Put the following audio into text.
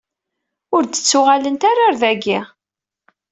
Ur d-ttuɣalent ara ɣer dagi.